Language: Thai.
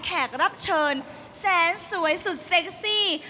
แขกรับเชิญแสนสวยสุดเซ็กซี่